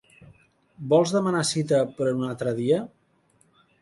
Vols demanar cita per a un altre dia?